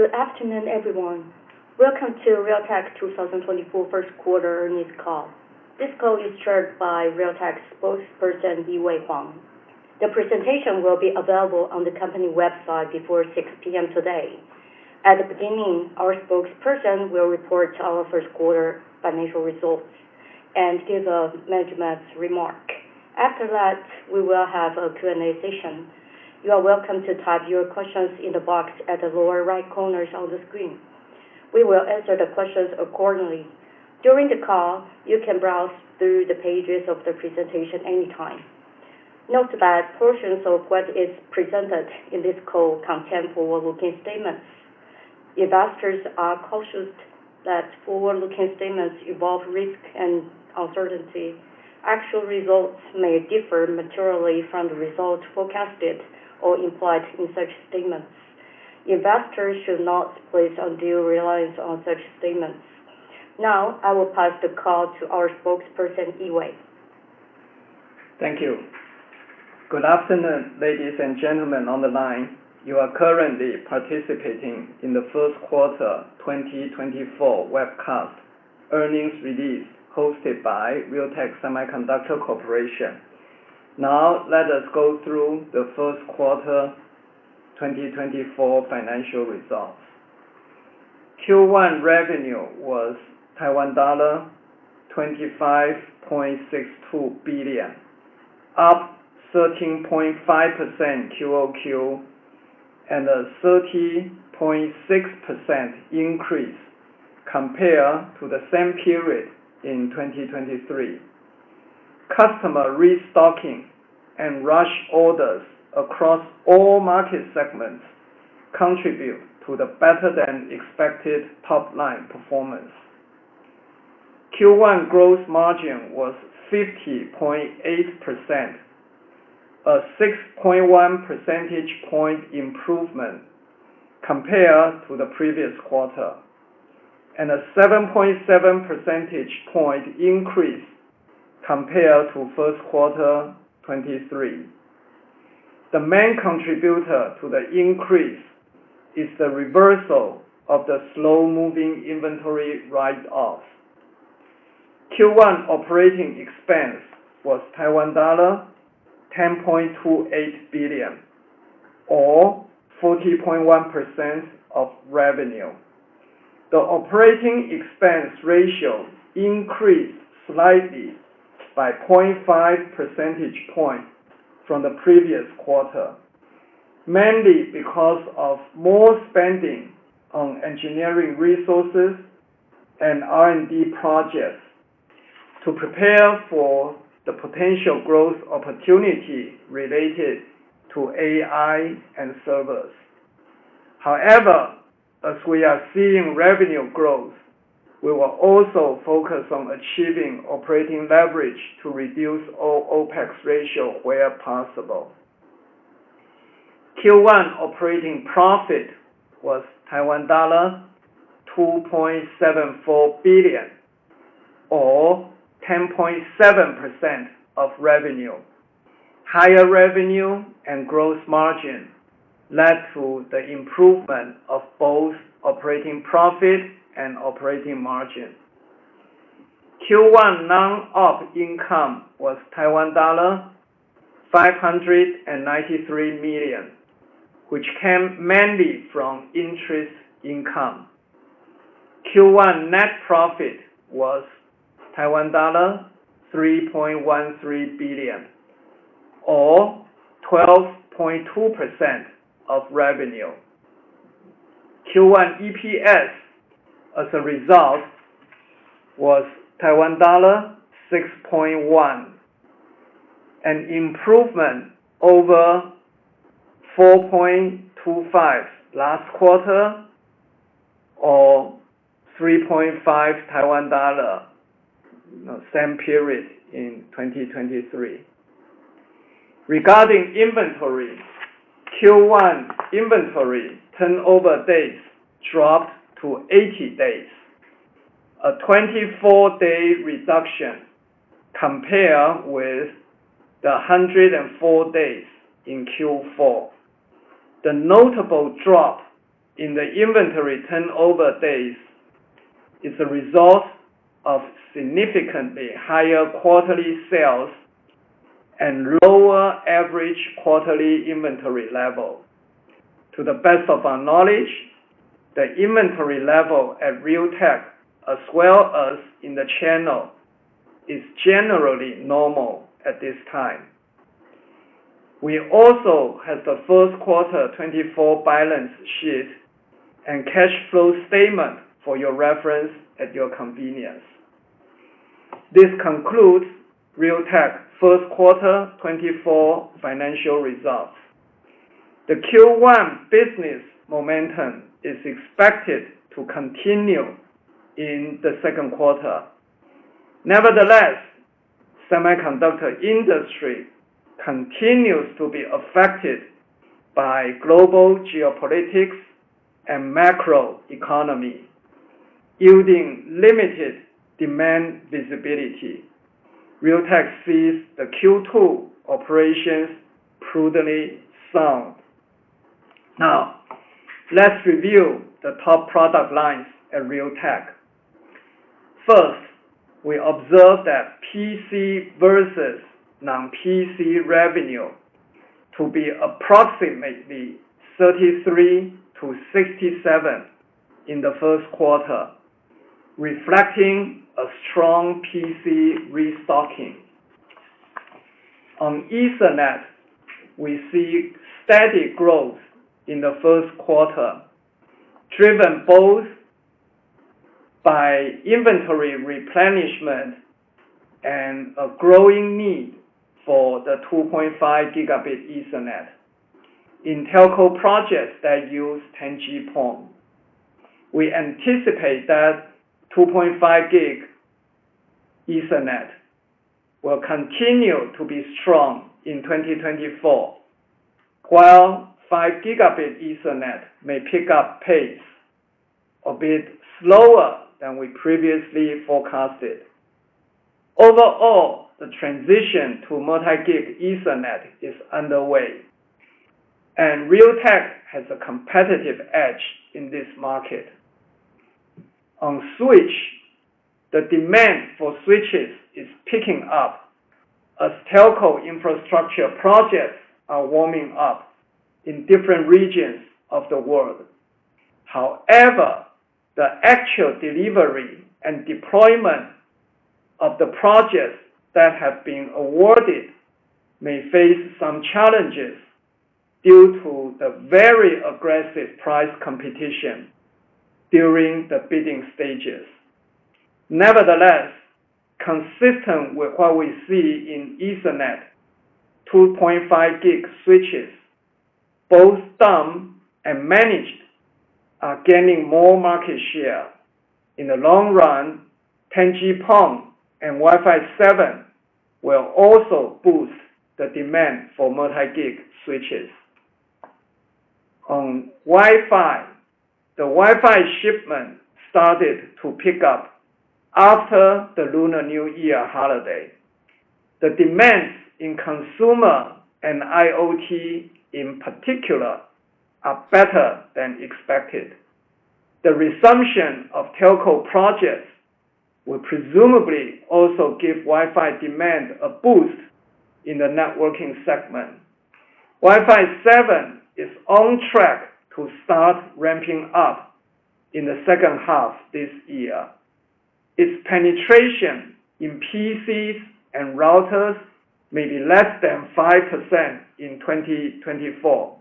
Good afternoon, everyone. Welcome to Realtek 2024 first quarter earnings call. This call is chaired by Realtek spokesperson, Yee-Wei Huang. The presentation will be available on the company website before 6 P.M. today. At the beginning, our spokesperson will report our first quarter financial results and give a management remark. After that, we will have a Q&A session. You are welcome to type your questions in the box at the lower right corners of the screen. We will answer the questions accordingly. During the call, you can browse through the pages of the presentation anytime. Note that portions of what is presented in this call contain forward-looking statements. Investors are cautioned that forward-looking statements involve risk and uncertainty. Actual results may differ materially from the results forecasted or implied in such statements. Investors should not place undue reliance on such statements. Now, I will pass the call to our spokesperson, Yee-Wei. Thank you. Good afternoon, ladies and gentlemen on the line. You are currently participating in the first quarter 2024 webcast earnings release, hosted by Realtek Semiconductor Corporation. Now, let us go through the first quarter 2024 financial results. Q1 revenue was Taiwan dollar 25.62 billion, up 13.5% QoQ, and a 30.6% increase compared to the same period in 2023. Customer restocking and rush orders across all market segments contribute to the better than expected top line performance. Q1 gross margin was 50.8%, a 6.1 percentage point improvement compared to the previous quarter, and a 7.7 percentage point increase compared to first quarter 2023. The main contributor to the increase is the reversal of the slow-moving inventory write-off. Q1 operating expense was Taiwan dollar 10.28 billion or 40.1% of revenue. The operating expense ratio increased slightly by 0.5 percentage point from the previous quarter, mainly because of more spending on engineering resources and R&D projects to prepare for the potential growth opportunity related to AI and servers. However, as we are seeing revenue growth, we will also focus on achieving operating leverage to reduce our OpEx ratio where possible. Q1 operating profit was Taiwan dollar 2.74 billion, or 10.7% of revenue. Higher revenue and gross margin led to the improvement of both operating profit and operating margin. Q1 non-Op income was Taiwan dollar 593 million, which came mainly from interest income. Q1 net profit was TWD 3.13 billion, or 12.2% of revenue. Q1 EPS, as a result, was Taiwan dollar 6.1, an improvement over 4.25 last quarter, or 3.5 Taiwan dollar, same period in 2023. Regarding inventory, Q1 inventory turnover days dropped to 80 days, a 24-day reduction compared with the 104 days in Q4. The notable drop in the inventory turnover days is a result of significantly higher quarterly sales and lower average quarterly inventory level. To the best of our knowledge, the inventory level at Realtek, as well as in the channel, is generally normal at this time. We also have the first quarter 2024 balance sheet and cash flow statement for your reference at your convenience. This concludes Realtek first quarter 2024 financial results. The Q1 business momentum is expected to continue in the second quarter. Nevertheless, semiconductor industry continues to be affected by global geopolitics and macroeconomy. yielding limited demand visibility, Realtek sees the Q2 operations prudently sound. Now, let's review the top product lines at Realtek. First, we observe that PC versus non-PC revenue to be approximately 33-67 in the first quarter, reflecting a strong PC restocking. On Ethernet, we see steady growth in the first quarter, driven both by inventory replenishment and a growing need for the 2.5 Gb Ethernet. In telco projects that use 10G-PON, we anticipate that 2.5 Gb Ethernet will continue to be strong in 2024, while 5 Gb Ethernet may pick up pace, a bit slower than we previously forecasted. Overall, the transition to multi-gig Ethernet is underway, and Realtek has a competitive edge in this market. On switch, the demand for switches is picking up as telco infrastructure projects are warming up in different regions of the world. However, the actual delivery and deployment of the projects that have been awarded may face some challenges due to the very aggressive price competition during the bidding stages. Nevertheless, consistent with what we see in Ethernet, 2.5 Gb switches, both dumb and managed, are gaining more market share. In the long run, 10G-PON and Wi-Fi 7 will also boost the demand for multi-gig switches. On Wi-Fi, the Wi-Fi shipment started to pick up after the Lunar New Year holiday. The demands in consumer and IoT in particular, are better than expected. The resumption of telco projects will presumably also give Wi-Fi demand a boost in the networking segment. Wi-Fi 7 is on track to start ramping up in the second half this year. Its penetration in PCs and routers may be less than 5% in 2024,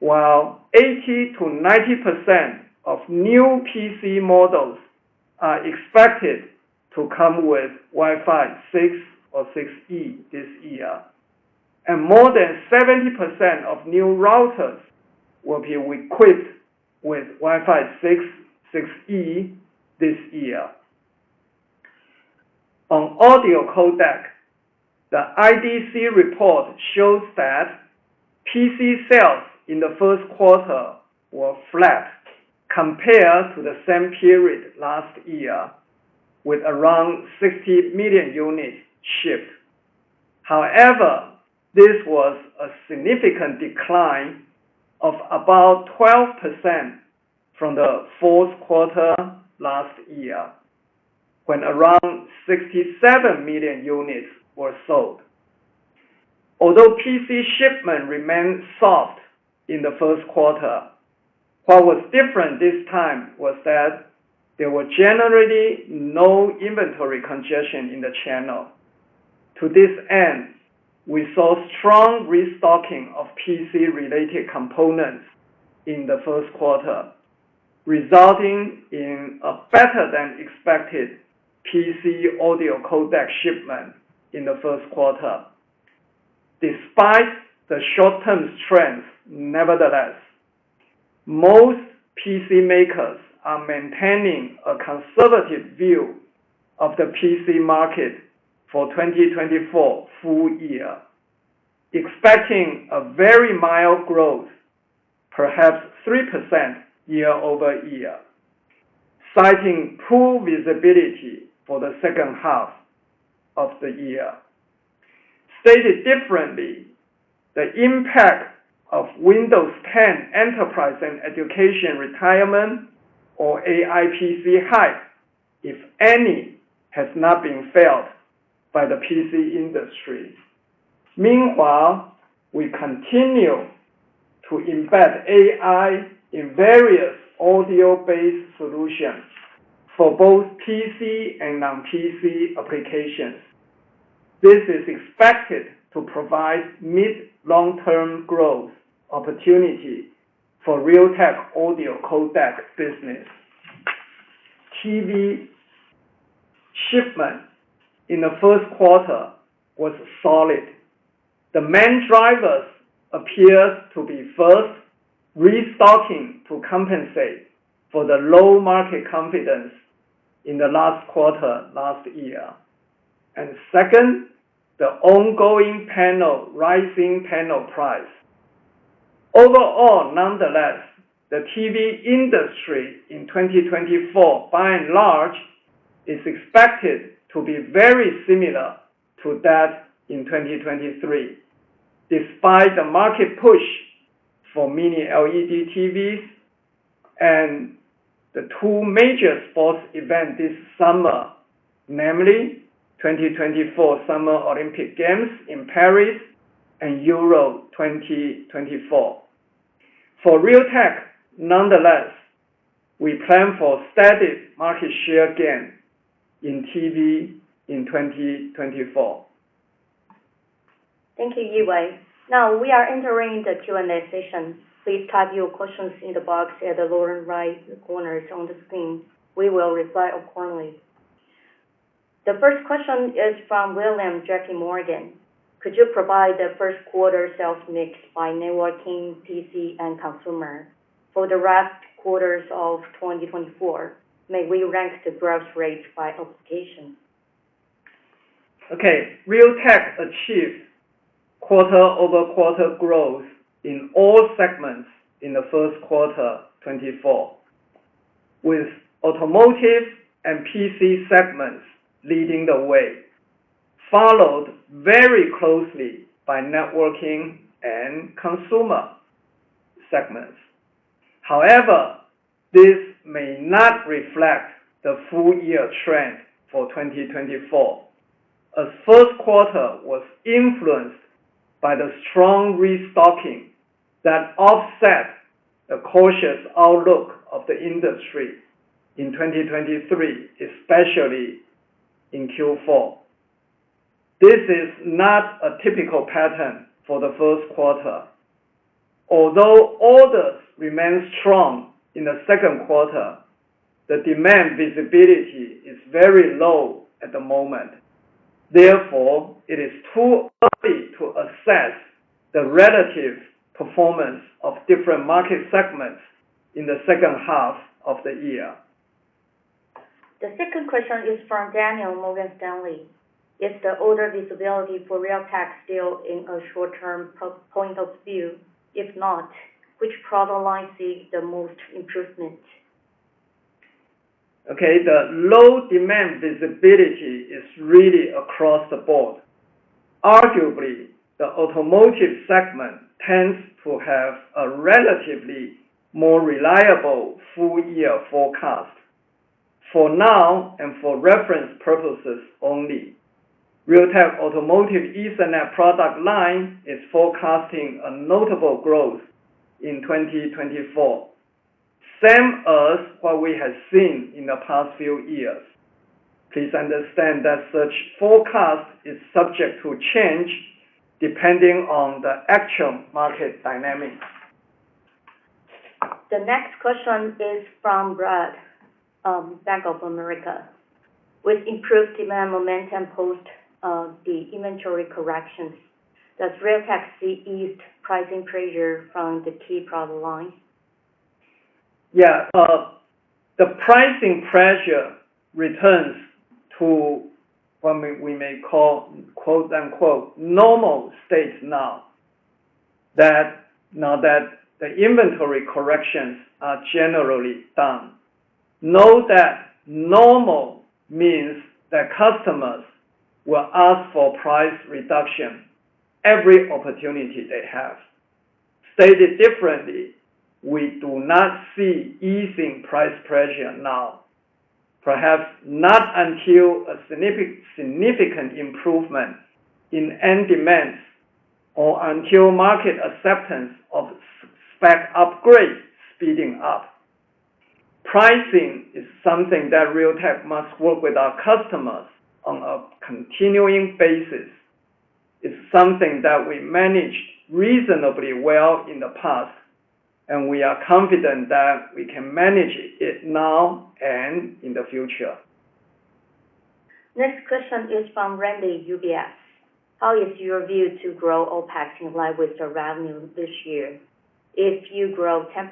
while 80%-90% of new PC models are expected to come with Wi-Fi 6 or 6E this year, and more than 70% of new routers will be equipped with Wi-Fi 6, 6E this year. On audio codec, the IDC report shows that PC sales in the first quarter were flat compared to the same period last year, with around 60 million units shipped. However, this was a significant decline of about 12% from the fourth quarter last year, when around 67 million units were sold. Although PC shipment remained soft in the first quarter, what was different this time was that there were generally no inventory congestion in the channel. To this end, we saw strong restocking of PC-related components in the first quarter, resulting in a better-than-expected PC audio codec shipment in the first quarter. Despite the short-term strength, nevertheless, most PC makers are maintaining a conservative view of the PC market for 2024 full year, expecting a very mild growth, perhaps 3% year-over-year, citing poor visibility for the second half of the year. Stated differently, the impact of Windows 10 Enterprise and Education retirement or AI PC hype, if any, has not been felt by the PC industry. Meanwhile, we continue to embed AI in various audio-based solutions for both PC and non-PC applications. This is expected to provide mid, long-term growth opportunity for Realtek audio codec business. TV shipment in the first quarter was solid. The main drivers appeared to be, first, restocking to compensate for the low market confidence in the last quarter last year. And second, the ongoing panel, rising panel price. Overall, nonetheless, the TV industry in 2024, by and large, is expected to be very similar to that in 2023, despite the market push for Mini LED TVs and the two major sports event this summer, namely 2024 Summer Olympic Games in Paris and Euro 2024. For Realtek, nonetheless, we plan for steady market share gain in TV in 2024. Thank you, Yee-Wei. Now we are entering the Q&A session. Please type your questions in the box at the lower right corner on the screen. We will reply accordingly. The first question is from William, J.P. Morgan. Could you provide the first quarter sales mix by networking, PC, and consumer for the rest quarters of 2024? May we rank the growth rate by application? Okay, Realtek achieved quarter-over-quarter growth in all segments in the first quarter 2024, with automotive and PC segments leading the way, followed very closely by networking and consumer segments. However, this may not reflect the full year trend for 2024. The first quarter was influenced by the strong restocking that offset the cautious outlook of the industry in 2023, especially in Q4. This is not a typical pattern for the first quarter. Although orders remain strong in the second quarter, the demand visibility is very low at the moment. Therefore, it is too early to assess the relative performance of different market segments in the second half of the year. The second question is from Daniel, Morgan Stanley. Is the order visibility for Realtek still in a short-term point of view? If not, which product line sees the most improvement? Okay, the low demand visibility is really across the board. Arguably, the automotive segment tends to have a relatively more reliable full year forecast. For now, and for reference purposes only, Realtek Automotive Ethernet product line is forecasting a notable growth in 2024, same as what we have seen in the past few years. Please understand that such forecast is subject to change, depending on the actual market dynamics. The next question is from Brad, Bank of America. With improved demand momentum post the inventory corrections, does Realtek see eased pricing pressure from the key product line? Yeah. The pricing pressure returns to what we may call, quote, unquote, "normal state now," now that the inventory corrections are generally done. Note that normal means that customers will ask for price reduction every opportunity they have. Stated differently, we do not see easing price pressure now, perhaps not until a significant improvement in end demands or until market acceptance of spec upgrades speeding up. Pricing is something that Realtek must work with our customers on a continuing basis. It's something that we managed reasonably well in the past, and we are confident that we can manage it now and in the future. Next question is from Randy, UBS. How is your view to grow OpEx in line with the revenue this year? If you grow 10%,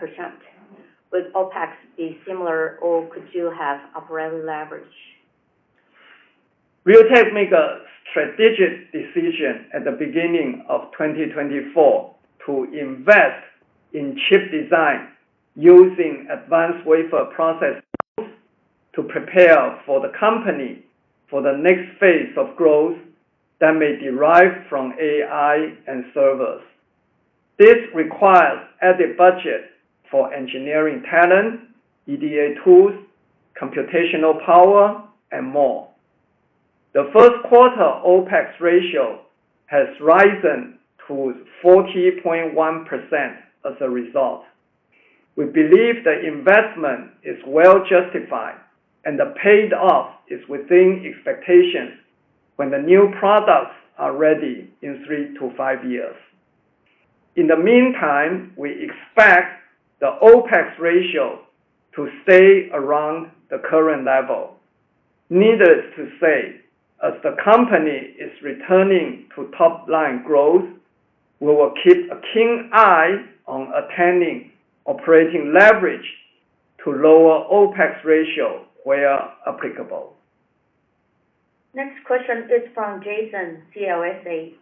will OpEx be similar, or could you have operating leverage? Realtek made a strategic decision at the beginning of 2024 to invest in chip design, using advanced wafer process tools to prepare the company for the next phase of growth that may derive from AI and servers. This requires added budget for engineering talent, EDA tools, computational power, and more. The first quarter OpEx ratio has risen to 40.1% as a result. We believe the investment is well justified, and the payoff is within expectations when the new products are ready in three to five years. In the meantime, we expect the OpEx ratio to stay around the current level. Needless to say, as the company is returning to top line growth, we will keep a keen eye on attaining operating leverage to lower OpEx ratio where applicable.... Next question is from Jason, CLSA.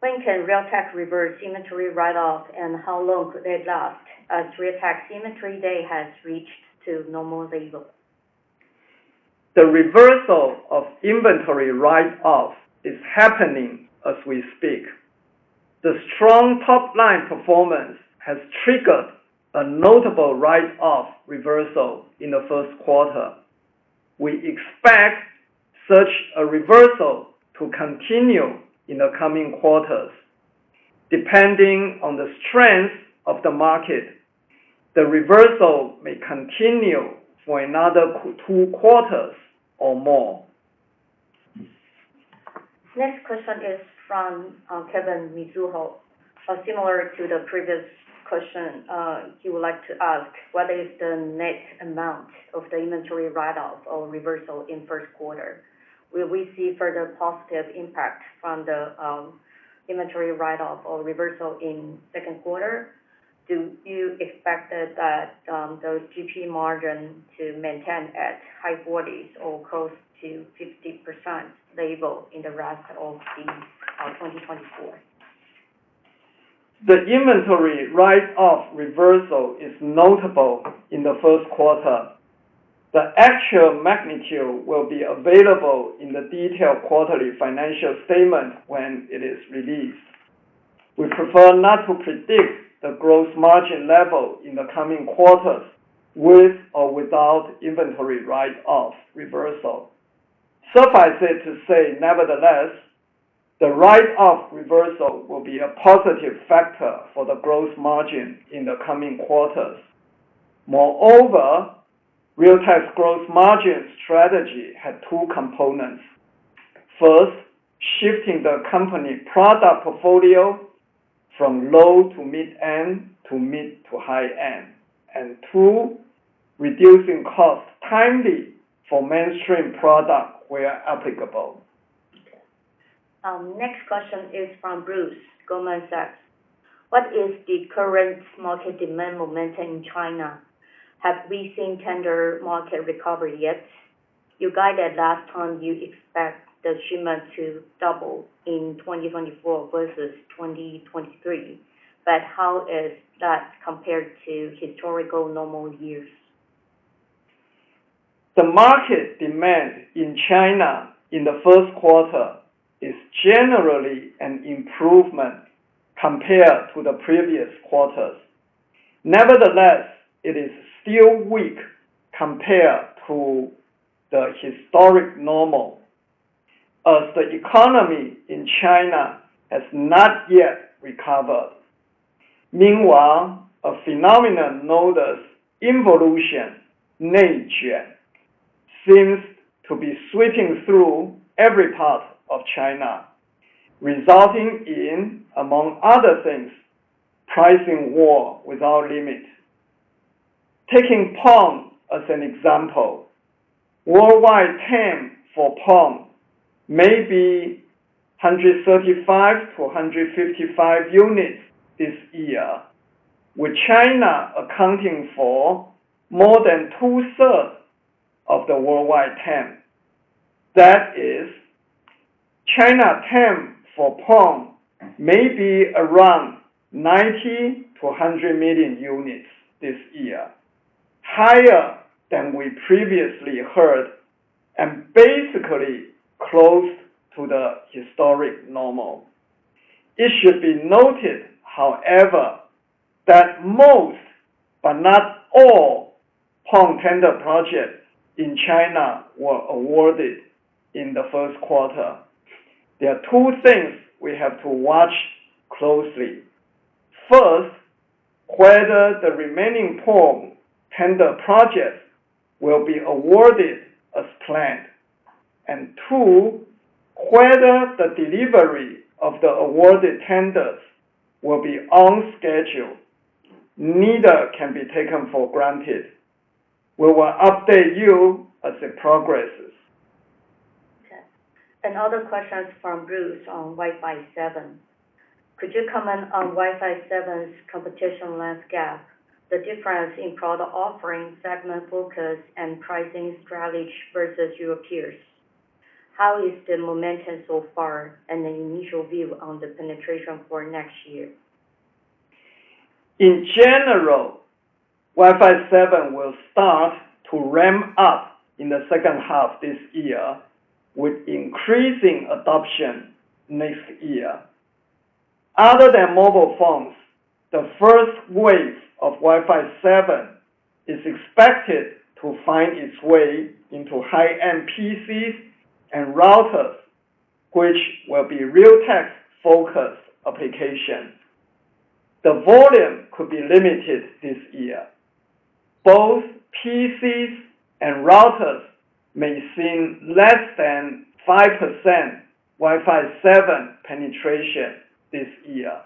When can Realtek reverse inventory write-off, and how long could it last as Realtek inventory day has reached to normal level? The reversal of inventory write-off is happening as we speak. The strong top-line performance has triggered a notable write-off reversal in the first quarter. We expect such a reversal to continue in the coming quarters. Depending on the strength of the market, the reversal may continue for another two quarters or more. Next question is from Kevin from Mizuho. Similar to the previous question, he would like to ask, what is the net amount of the inventory write-off or reversal in first quarter? Will we see further positive impact from the inventory write-off or reversal in second quarter? Do you expect that those gross margin to maintain at high 40s or close to 50% level in the rest of the 2024? The inventory write-off reversal is notable in the first quarter. The actual magnitude will be available in the detailed quarterly financial statement when it is released. We prefer not to predict the gross margin level in the coming quarters, with or without inventory write-off reversal. Suffice it to say, nevertheless, the write-off reversal will be a positive factor for the gross margin in the coming quarters. Moreover, Realtek's gross margin strategy had two components. First, shifting the company product portfolio from low to mid-end, to mid to high-end. And two, reducing costs timely for mainstream product where applicable. Next question is from Bruce, Goldman Sachs. What is the current market demand momentum in China? Have we seen tender market recovery yet? You guided last time you expect the shipment to double in 2024 versus 2023, but how is that compared to historical normal years? The market demand in China in the first quarter is generally an improvement compared to the previous quarters. Nevertheless, it is still weak compared to the historic normal, as the economy in China has not yet recovered. Meanwhile, a phenomenon known as involution, neijuan, seems to be sweeping through every part of China, resulting in, among other things, pricing war without limit. Taking PON as an example, worldwide TAM for PON may be 135-155 million units this year, with China accounting for more than two-thirds of the worldwide TAM. That is, China TAM for PON may be around 90-100 million units this year, higher than we previously heard, and basically close to the historic normal. It should be noted, however, that most, but not all, PON tender projects in China were awarded in the first quarter. There are two things we have to watch closely. First, whether the remaining PON tender projects will be awarded as planned. And two, whether the delivery of the awarded tenders will be on schedule. Neither can be taken for granted. We will update you as it progresses. Okay. Another question from Bruce on Wi-Fi 7. Could you comment on Wi-Fi 7's competition landscape, the difference in product offerings, segment focus, and pricing strategy versus your peers? How is the momentum so far, and the initial view on the penetration for next year? In general, Wi-Fi 7 will start to ramp up in the second half this year, with increasing adoption next year. Other than mobile phones, the first wave of Wi-Fi 7 is expected to find its way into high-end PCs and routers, which will be Realtek's focus application. The volume could be limited this year. Both PCs and routers may seem less than 5% Wi-Fi 7 penetration this year.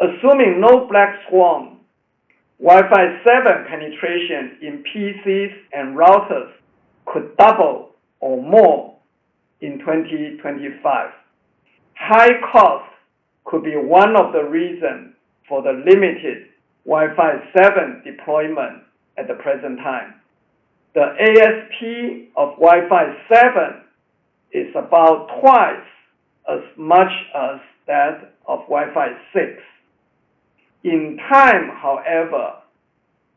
Assuming no black swan, Wi-Fi 7 penetration in PCs and routers could double or more in 2025. High cost could be one of the reason for the limited Wi-Fi 7 deployment at the present time. The ASP of Wi-Fi 7 is about twice as much as that of Wi-Fi 6. In time, however,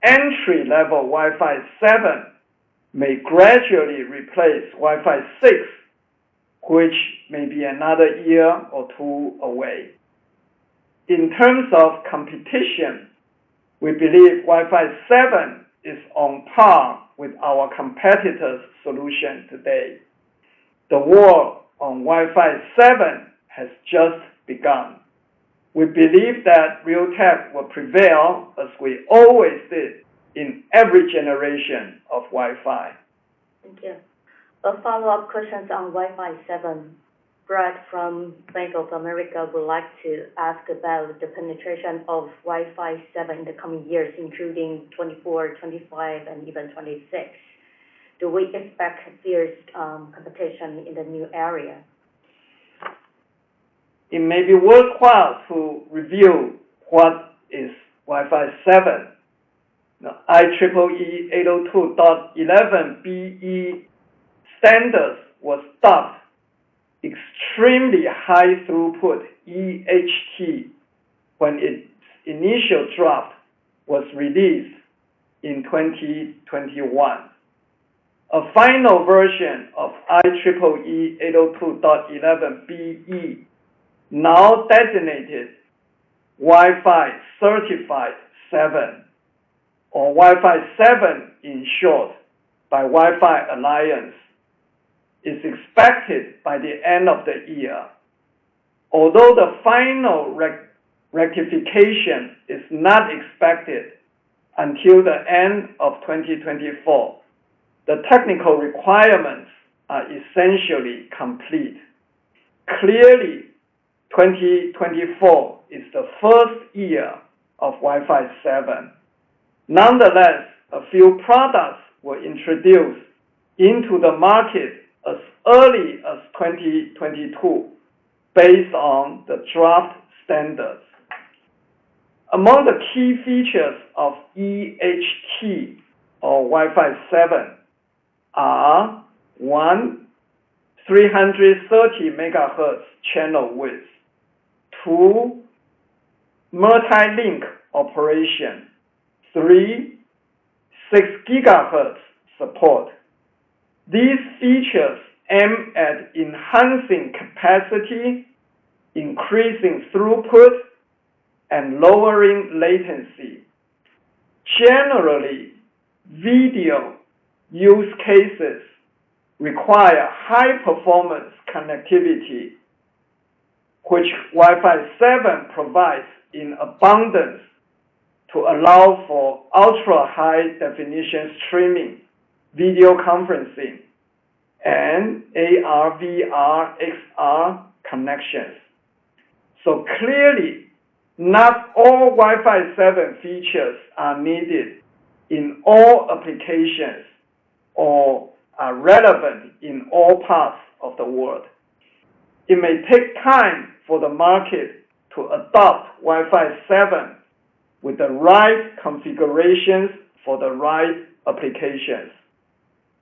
entry-level Wi-Fi 7 may gradually replace Wi-Fi 6, which may be another year or two away. In terms of competition, we believe Wi-Fi 7 is on par with our competitors' solution today. The war on Wi-Fi 7 has just begun. We believe that Realtek will prevail, as we always did in every generation of Wi-Fi. Thank you. A follow-up question on Wi-Fi 7. Brad from Bank of America would like to ask about the penetration of Wi-Fi 7 in the coming years, including 2024, 2025, and even 2026. Do we expect fierce competition in the new area? It may be worthwhile to review what is Wi-Fi 7. The IEEE 802.11be standard was dubbed Extremely High Throughput, EHT, when its initial draft was released in 2021. A final version of IEEE 802.11be, now designated Wi-Fi Certified 7, or Wi-Fi 7 in short, by Wi-Fi Alliance, is expected by the end of the year. Although the final rectification is not expected until the end of 2024, the technical requirements are essentially complete. Clearly, 2024 is the first year of Wi-Fi 7. Nonetheless, a few products were introduced into the market as early as 2022, based on the draft standards. Among the key features of EHT or Wi-Fi 7 are: one, 330 MHz channel width. two, Multi-Link Operation. three, 6 GHz support. These features aim at enhancing capacity, increasing throughput, and lowering latency. Generally, video use cases require high performance connectivity, which Wi-Fi 7 provides in abundance to allow for ultra-high definition streaming, video conferencing, and AR/VR/XR connections. So clearly, not all Wi-Fi 7 features are needed in all applications or are relevant in all parts of the world. It may take time for the market to adopt Wi-Fi 7 with the right configurations for the right applications.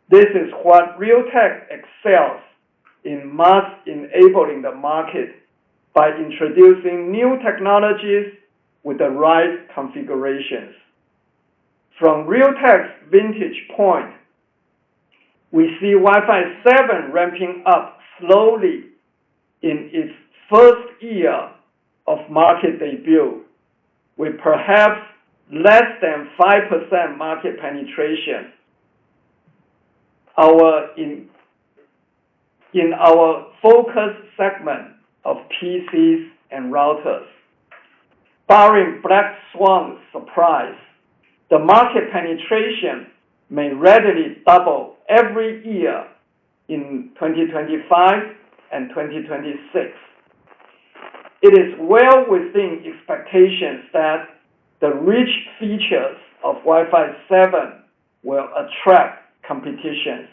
This is what Realtek excels in mass enabling the market, by introducing new technologies with the right configurations. From Realtek's vantage point, we see Wi-Fi 7 ramping up slowly in its first year of market debut, with perhaps less than 5% market penetration. In our focus segment of PCs and routers, barring Black Swan surprise, the market penetration may readily double every year in 2025 and 2026. It is well within expectations that the rich features of Wi-Fi 7 will attract competition.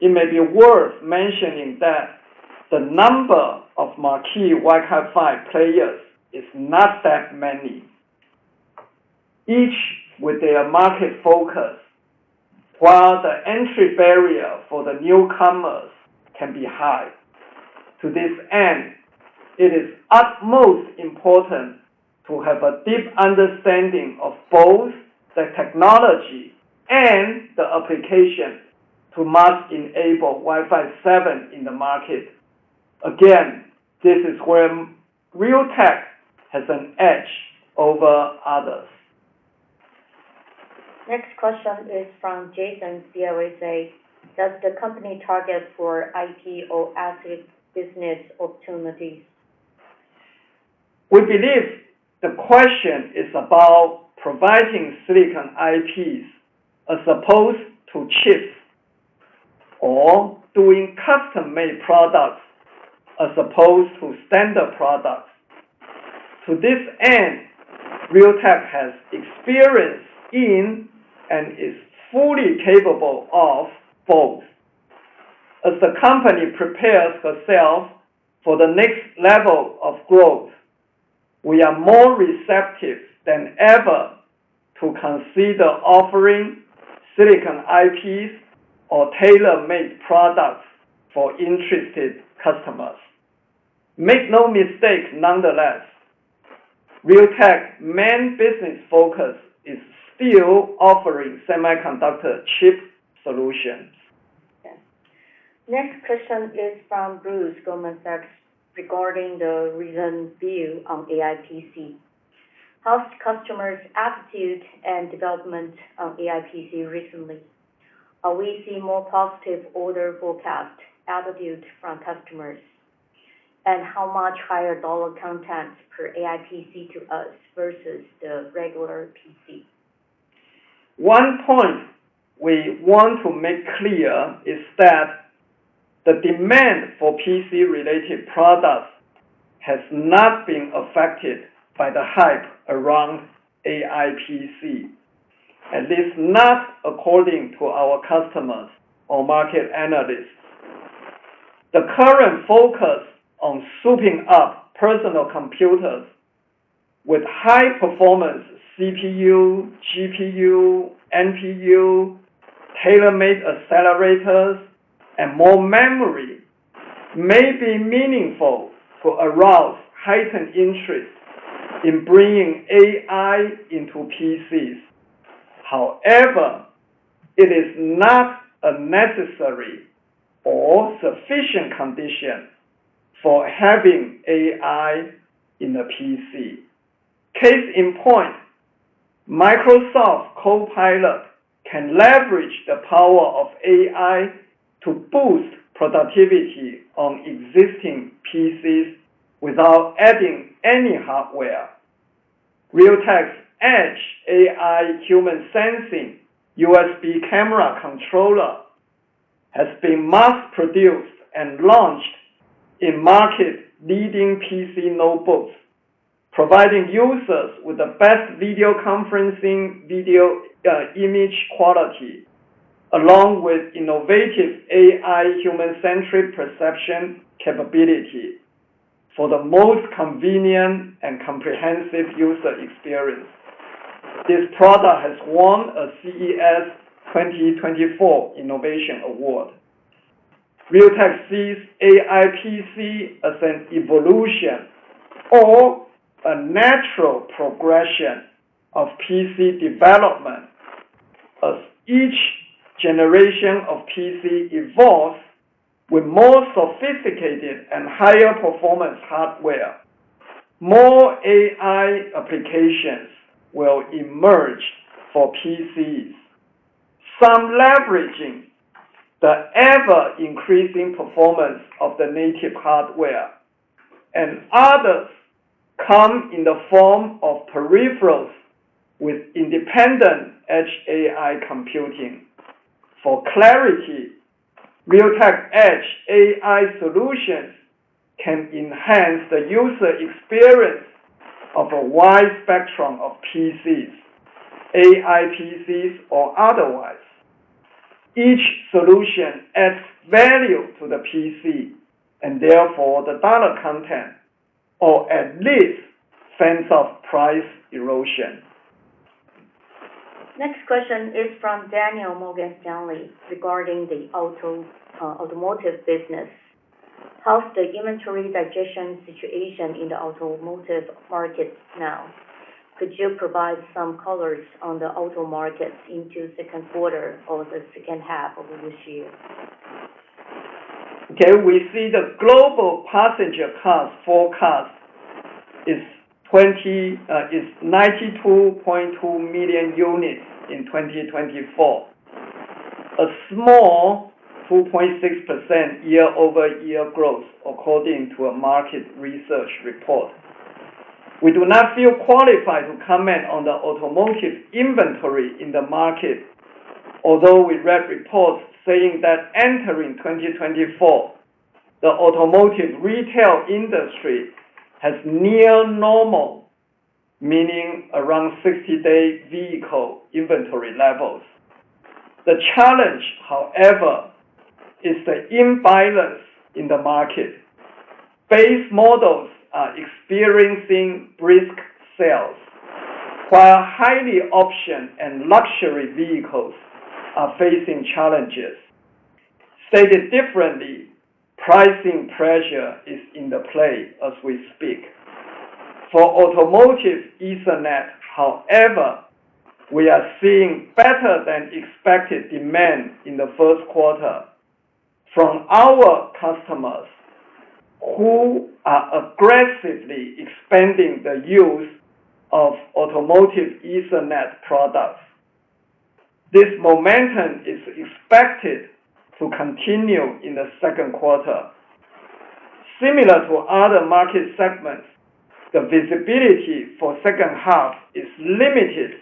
It may be worth mentioning that the number of marquee Wi-Fi players is not that many, each with their market focus, while the entry barrier for the newcomers can be high. To this end, it is utmost important to have a deep understanding of both the technology and the application to mass enable Wi-Fi 7 in the market. Again, this is where Realtek has an edge over others. Next question is from Jason, CLSA. Does the company target for IP or asset business opportunities? We believe the question is about providing silicon IPs, as opposed to chips, or doing custom-made products, as opposed to standard products. To this end, Realtek has experience in and is fully capable of both. As the company prepares herself for the next level of growth, we are more receptive than ever to consider offering silicon IPs or tailor-made products for interested customers. Make no mistake, nonetheless, Realtek main business focus is still offering semiconductor chip solutions. Yeah. Next question is from Bruce, Goldman Sachs, regarding the recent view on AI PC. How's customers' attitude and development of AI PC recently? Are we seeing more positive order forecast attitude from customers? And how much higher dollar content per AI PC to us versus the regular PC? One point we want to make clear is that the demand for PC-related products has not been affected by the hype around AI PC, and it's not according to our customers or market analysts. The current focus on souping up personal computers with high performance CPU, GPU, NPU, tailor-made accelerators, and more memory, may be meaningful to arouse heightened interest in bringing AI into PCs. However, it is not a necessary or sufficient condition for having AI in a PC. Case in point, Microsoft Copilot can leverage the power of AI to boost productivity on existing PCs without adding any hardware. Realtek's edge AI human sensing USB camera controller has been mass-produced and launched in market leading PC notebooks, providing users with the best video conferencing, video, image quality, along with innovative AI human-centric perception capability for the most convenient and comprehensive user experience. This product has won a CES 2024 Innovation Award. Realtek sees AI PC as an evolution or a natural progression of PC development. As each generation of PC evolves with more sophisticated and higher performance hardware, more AI applications will emerge for PCs. Some leveraging the ever-increasing performance of the native hardware, and others come in the form of peripherals with independent edge AI computing. For clarity, Realtek edge AI solutions can enhance the user experience of a wide spectrum of PCs, AI PCs or otherwise. Each solution adds value to the PC, and therefore, the dollar content, or at least sense of price erosion. Next question is from Daniel, Morgan Stanley, regarding the auto, automotive business. How's the inventory digestion situation in the automotive market now? Could you provide some colors on the auto market into second quarter or the second half of this year? Okay. We see the global passenger cars forecast is 92.2 million units in 2024, a small 2.6% year-over-year growth, according to a market research report. We do not feel qualified to comment on the automotive inventory in the market, although we read reports saying that entering 2024, the automotive retail industry has near normal, meaning around 60-day vehicle inventory levels. The challenge, however, is the imbalance in the market. Base models are experiencing brisk sales, while highly optioned and luxury vehicles are facing challenges. Stated differently, pricing pressure is in the play as we speak. For automotive Ethernet, however, we are seeing better than expected demand in the first quarter from our customers, who are aggressively expanding the use of automotive Ethernet products. This momentum is expected to continue in the second quarter. Similar to other market segments, the visibility for second half is limited,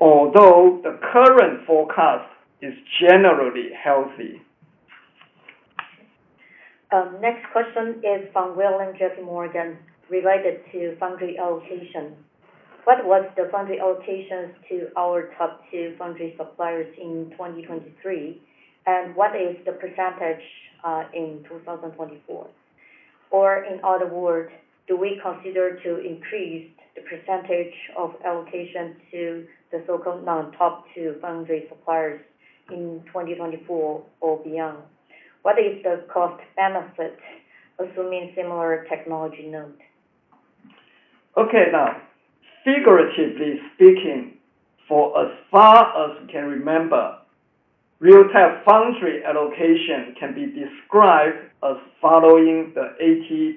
although the current forecast is generally healthy.... Next question is from William, J.P. Morgan, related to foundry allocation. What was the foundry allocations to our top two foundry suppliers in 2023, and what is the percentage, in 2024? Or in other words, do we consider to increase the percentage of allocation to the so-called non-top two foundry suppliers in 2024 or beyond? What is the cost benefit, assuming similar technology note? Okay, now, figuratively speaking, for as far as we can remember, Realtek foundry allocation can be described as following the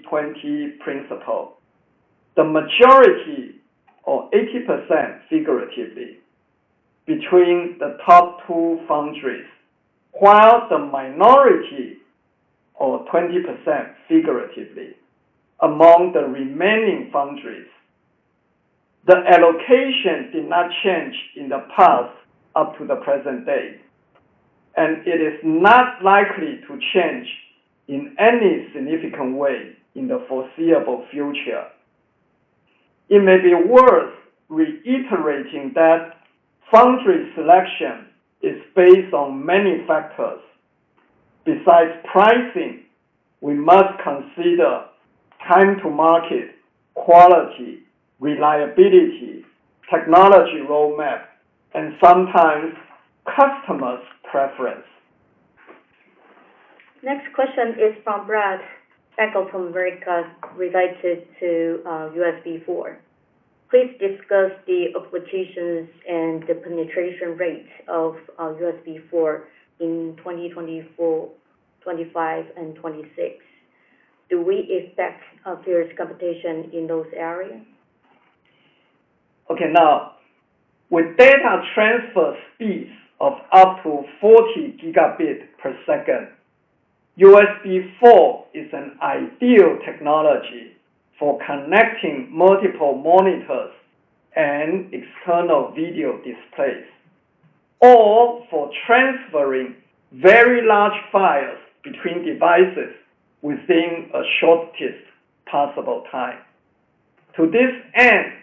80/20 principle. The majority, or 80% figuratively, between the top two foundries, while the minority, or 20% figuratively, among the remaining foundries. The allocation did not change in the past up to the present day, and it is not likely to change in any significant way in the foreseeable future. It may be worth reiterating that foundry selection is based on many factors. Besides pricing, we must consider time to market, quality, reliability, technology roadmap, and sometimes customers' preference. Next question is from Brad Lin from Bank of America, related to USB4. Please discuss the applications and the penetration rate of USB4 in 2024, 2025 and 2026. Do we expect fierce competition in those areas? Okay, now, with data transfer speeds of up to 40 Gbps, USB4 is an ideal technology for connecting multiple monitors and external video displays, or for transferring very large files between devices within a shortest possible time. To this end,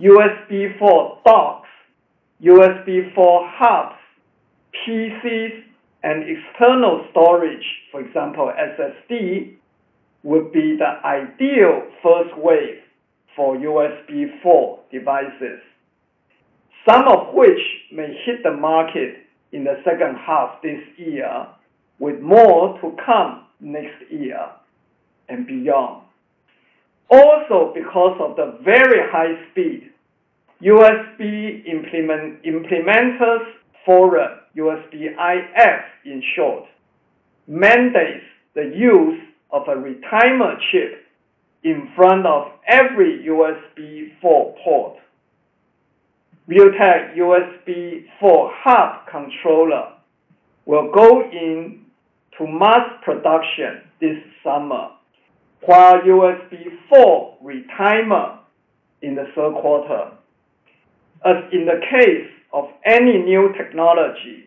USB4 docks, USB4 hubs, PCs, and external storage, for example, SSD, would be the ideal first wave for USB4 devices, some of which may hit the market in the second half this year, with more to come next year and beyond. Also, because of the very high speed, USB Implementers Forum, USB-IF in short, mandates the use of a retimer chip in front of every USB4 port. Realtek USB4 hub controller will go into mass production this summer, while USB4 retimer in the third quarter. As in the case of any new technology,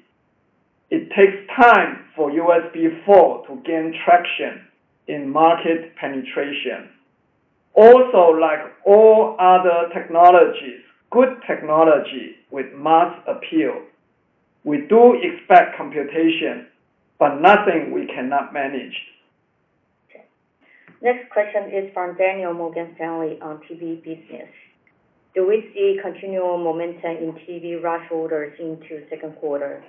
it takes time for USB4 to gain traction in market penetration. Also, like all other technologies, good technology with mass appeal, we do expect competition, but nothing we cannot manage. Okay. Next question is from Daniel, Morgan Stanley, on TV business. Do we see continual momentum in TV rush orders into second quarter?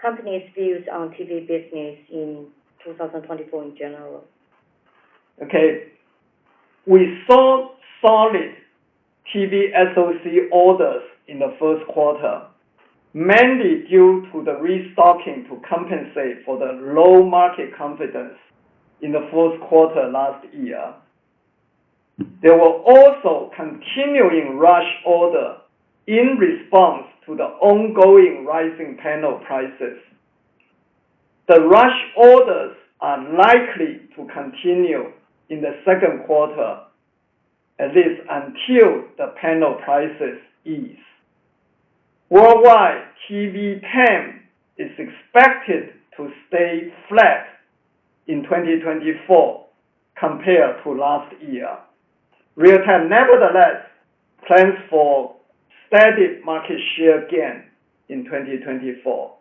Company's views on TV business in 2024 in general? Okay. We saw solid TV SoC orders in the first quarter, mainly due to the restocking to compensate for the low market confidence in the fourth quarter last year. There were also continuing rush orders in response to the ongoing rising panel prices. The rush orders are likely to continue in the second quarter, at least until the panel prices ease. Worldwide, TV panel is expected to stay flat in 2024 compared to last year. Realtek, nevertheless, plans for steady market share gain in 2024.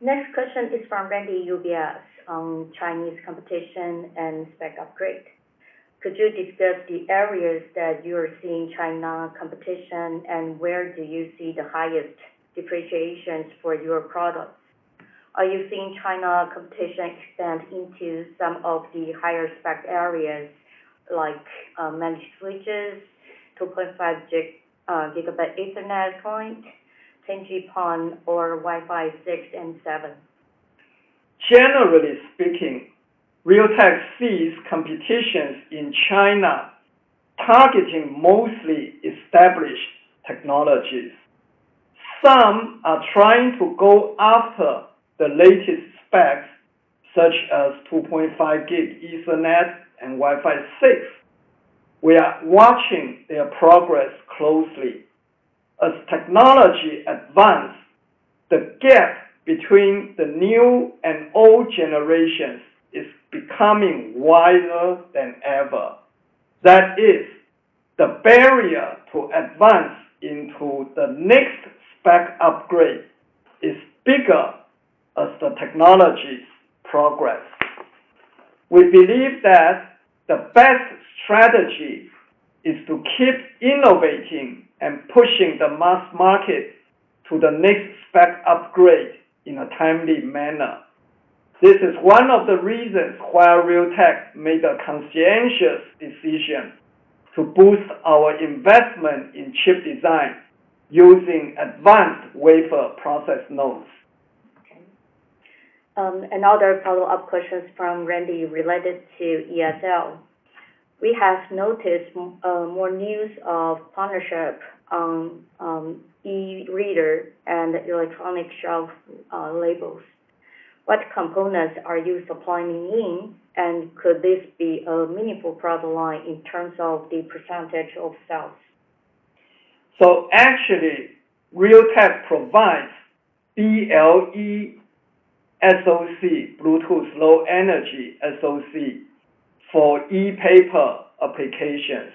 Next question is from Randy, UBS, on Chinese competition and spec upgrade. Could you discuss the areas that you are seeing China competition, and where do you see the highest depreciations for your products? Are you seeing China competition expand into some of the higher spec areas, like, managed switches, 2.5 Gb, gigabit Ethernet point, 10G-PON or Wi-Fi 6 and 7? Generally speaking, Realtek sees competitions in China targeting mostly established technologies. Some are trying to go after the latest specs, such as 2.5 Gb Ethernet and Wi-Fi 6.... We are watching their progress closely. As technology advance, the gap between the new and old generations is becoming wider than ever. That is, the barrier to advance into the next spec upgrade is bigger as the technology progress. We believe that the best strategy is to keep innovating and pushing the mass market to the next spec upgrade in a timely manner. This is one of the reasons why Realtek made a conscientious decision to boost our investment in chip design using advanced wafer process nodes. Okay. Another follow-up question from Randy, related to ESL. We have noticed more news of partnership on e-reader and electronic shelf labels. What components are you supplying in, and could this be a meaningful product line in terms of the percentage of sales? So actually, Realtek provides BLE SoC, Bluetooth Low Energy SoC, for e-paper applications.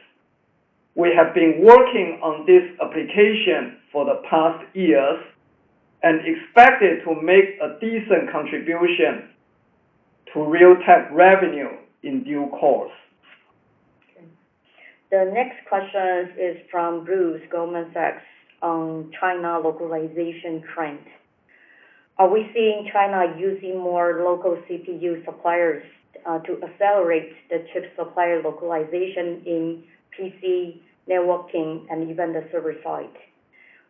We have been working on this application for the past years, and expect it to make a decent contribution to Realtek revenue in due course. Okay. The next question is from Bruce, Goldman Sachs, on China localization trend. Are we seeing China using more local CPU suppliers, to accelerate the chip supplier localization in PC networking and even the server side?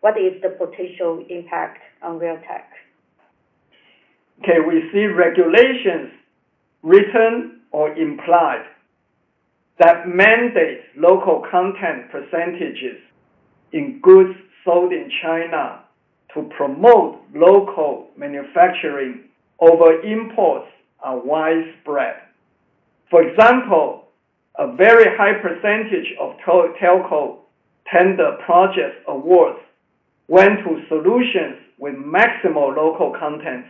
What is the potential impact on Realtek? Okay, we see regulations, written or implied, that mandate local content percentages in goods sold in China to promote local manufacturing over imports are widespread. For example, a very high percentage of total telco tender project awards went to solutions with maximal local content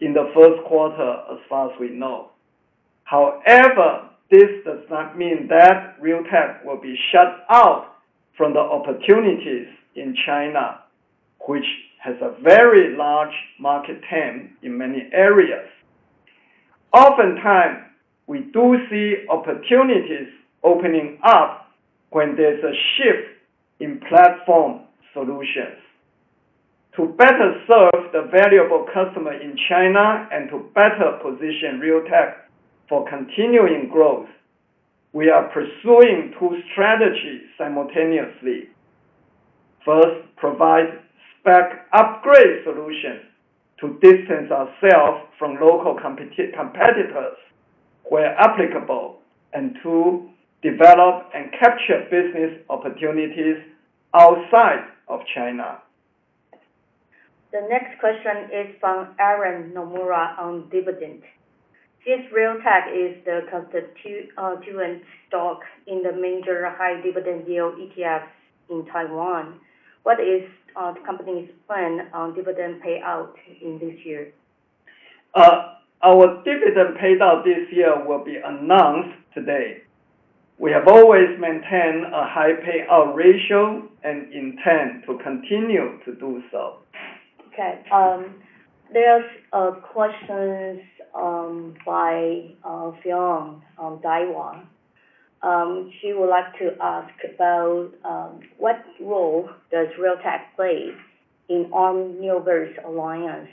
in the first quarter, as far as we know. However, this does not mean that Realtek will be shut out from the opportunities in China, which has a very large market TAM in many areas. Oftentimes, we do see opportunities opening up when there's a shift in platform solutions. To better serve the valuable customer in China and to better position Realtek for continuing growth, we are pursuing two strategies simultaneously. First, provide spec upgrade solutions to distance ourselves from local competitors, where applicable. And two, develop and capture business opportunities outside of China. The next question is from Aaron, Nomura, on dividend. Since Realtek is the constituent Taiwan stock in the major high dividend yield ETFs in Taiwan, what is the company's plan on dividend payout in this year? Our dividend payout this year will be announced today. We have always maintained a high payout ratio and intend to continue to do so. Okay, there's a question by [Fion on Daiwa]. She would like to ask about what role does Realtek play in Arm Neoverse alliance?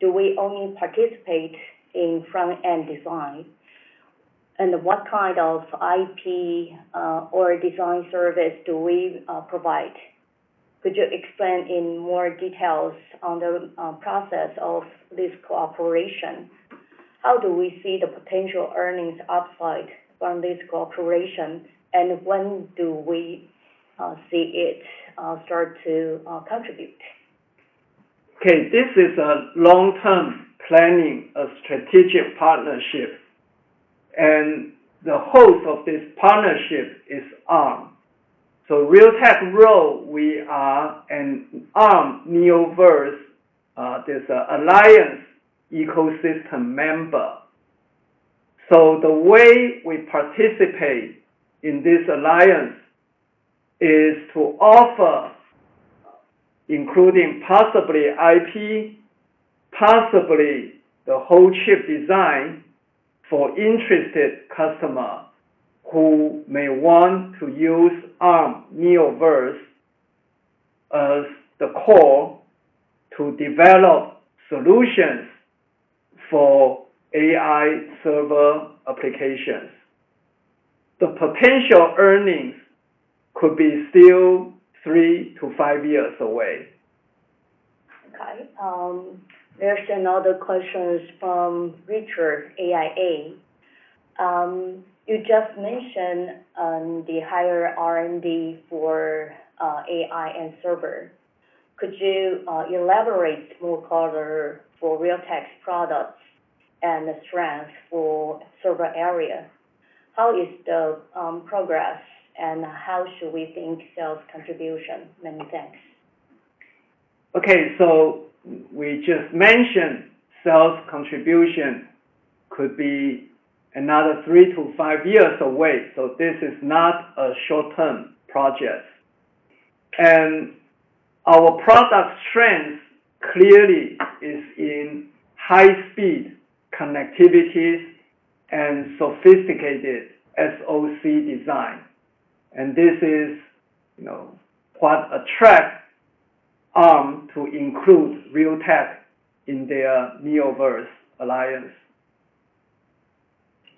Do we only participate in front-end design? And what kind of IP or design service do we provide? Could you explain in more details on the process of this cooperation? How do we see the potential earnings upside from this cooperation, and when do we see it start to contribute? Okay, this is a long-term planning, a strategic partnership, and the host of this partnership is Arm. So Realtek's role, we are an Arm Neoverse alliance ecosystem member. So the way we participate in this alliance is to offer, including possibly IP, possibly the whole chip design, for interested customer who may want to use Arm Neoverse as the core to develop solutions for AI server applications. The potential earnings could be still three to five years away. Okay. There's another questions from Richard, AIA. You just mentioned the higher R&D for AI and server. Could you elaborate more color for Realtek's products and the strength for server area? How is the progress, and how should we think sales contribution? Many thanks. Okay, so we just mentioned sales contribution could be another three to five years away, so this is not a short-term project. Our product strength clearly is in high speed connectivities and sophisticated SoC design. This is, you know, what attract Arm to include Realtek in their Neoverse alliance.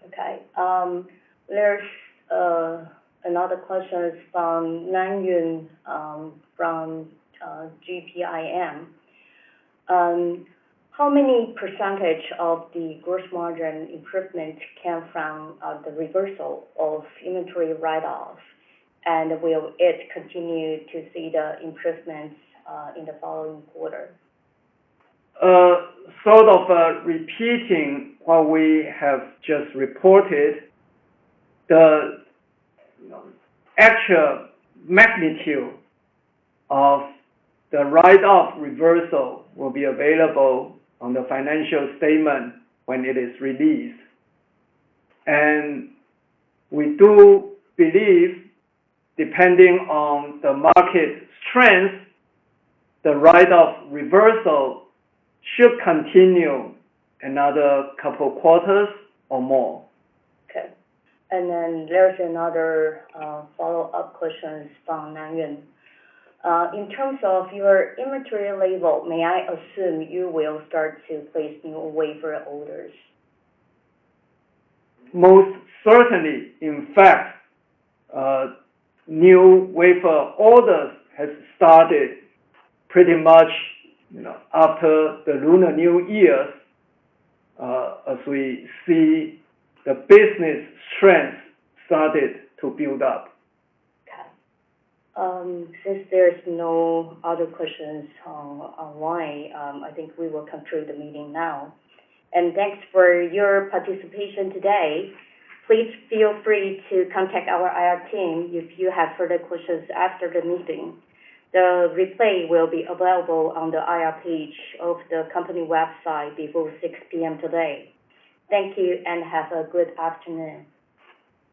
Okay. There's another question is from Nan Yun from GPIM. How many percentage of the gross margin improvement came from the reversal of inventory write-offs? And will it continue to see the improvements in the following quarter? Sort of repeating what we have just reported, the, you know, actual magnitude of the write-off reversal will be available on the financial statement when it is released. We do believe, depending on the market strength, the write-off reversal should continue another couple quarters or more. Okay. And then there's another, follow-up questions from Nan Yun. In terms of your inventory level, may I assume you will start to place new wafer orders? Most certainly. In fact, new wafer orders has started pretty much, you know, after the Lunar New Year, as we see the business strength started to build up. Okay. Since there's no other questions online, I think we will conclude the meeting now. Thanks for your participation today. Please feel free to contact our IR team if you have further questions after the meeting. The replay will be available on the IR page of the company website before 6 P.M. today. Thank you, and have a good afternoon.